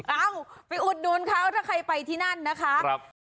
เอาไปอุดหนุนเขาถ้าใครไปที่นั่นนะคะ